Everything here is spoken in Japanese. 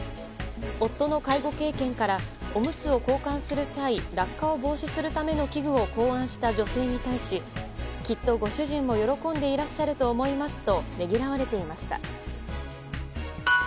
夫の介護経験からおむつを交換する際落下を防止するための器具を考案した女性に対しきっとご主人も喜んでいらっしゃると思いますとねぎらわれていました。